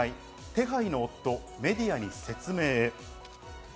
手配の夫、メディアに説明へ。